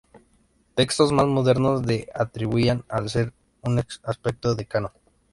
Textos más modernos le atribuían el ser un aspecto de Kannon.